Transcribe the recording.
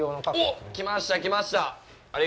おっ！来ました、来ました。